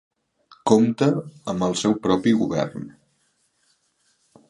Compta amb el seu propi govern.